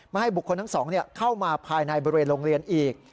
ให้บุคคลทั้งสองเข้ามาภายในบริเวณโรงเรียนอีก